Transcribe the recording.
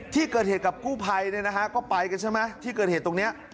ที่เกิดเหตุกับกู้ภัยก็ไปกันใช่ไหมที่เกิดเหตุตรงนี้